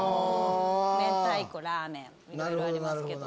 めんたいこラーメンいろいろありますけど。